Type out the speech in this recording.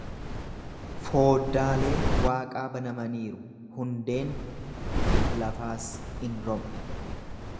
Fooddaaleen waaqaa banamaniiru, hundeen lafaas in rom'e.